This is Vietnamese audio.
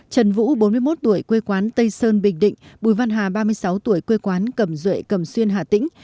trần vũ bốn mươi một tuổi quê quán tây sơn bình định bùi văn hà ba mươi sáu tuổi quê quán cầm duệ cầm xuyên hà tĩnh